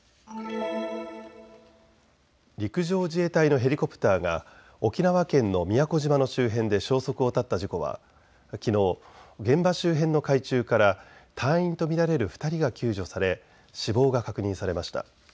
陸上自衛隊のヘリコプターが沖縄県の宮古島の周辺で消息を絶った事故はきのう現場周辺の海中から隊員と見られる２人が救助され死亡が確認されました。